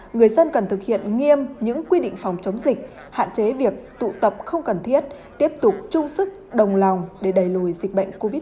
người dân cần thực hiện nghiêm những quy định phòng chống dịch hạn chế việc tụ tập không cần thiết tiếp tục chung sức đồng lòng để đẩy lùi dịch bệnh covid một mươi chín